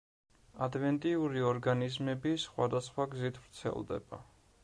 ადვენტიური ორგანიზმები სხვადასხვა გზით ვრცელდება.